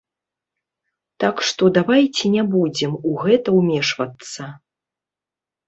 Так што давайце не будзем у гэта ўмешвацца.